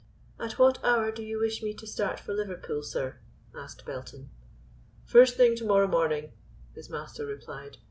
"At what hour do you wish me to start for Liverpool, sir?" asked Belton. "First thing to morrow morning," his master replied.